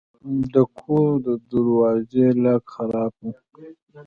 د کور د دروازې لاک خراب و.